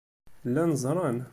Llan ẓran.